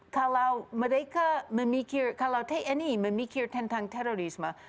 kalau mereka memikir kalau tni memikir tentang terorisme